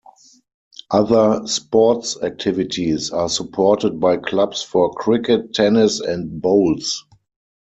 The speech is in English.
Other sports activities are supported by clubs for cricket, tennis and bowls.